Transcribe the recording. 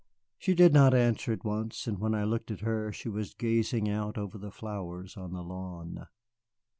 She did not answer at once, and when I looked at her she was gazing out over the flowers on the lawn.